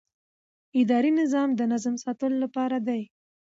اداري نظام د نظم ساتلو لپاره دی.